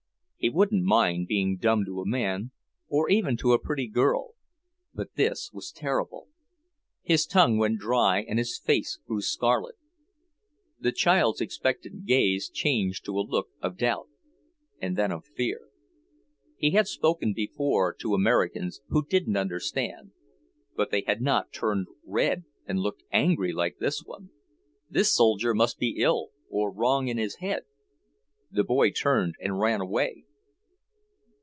He wouldn't mind being dumb to a man, or even to a pretty girl, but this was terrible. His tongue went dry, and his face grew scarlet. The child's expectant gaze changed to a look of doubt, and then of fear. He had spoken before to Americans who didn't understand, but they had not turned red and looked angry like this one; this soldier must be ill, or wrong in his head. The boy turned and ran away.